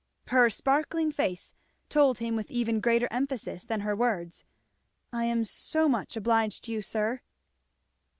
Her sparkling face told him with even greater emphasis than her words, "I am so much obliged to you, sir."